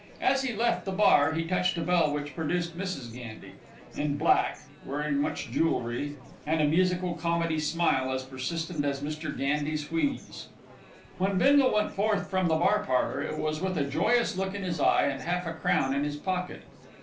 As he left the bar he touched a bell which produced Mrs. Gandy, in black, wearing much jewellery and a musical comedy smile as persistent as Mr. Gandy's wheeze. When Bindle went forth from the bar parlour it was with a joyous look in his eye and half a crown in his pocket.